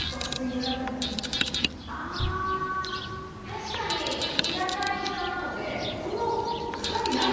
確かに平たいお皿なのでこの深みないですね。